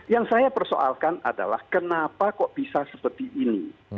yang saya persoalkan adalah kenapa kok bisa seperti ini